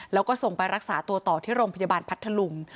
แล้วก็ส่งไปรักษาตัวต่อที่โรงพยาบาลพัทธลุง